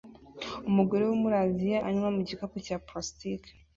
Umugore wo muri Aziya anywa mugikapu cya plastiki